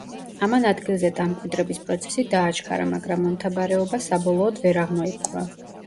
ამან ადგილზე დამკვიდრების პროცესი დააჩქარა, მაგრამ მომთაბარეობა საბოლოოდ ვერ აღმოიფხვრა.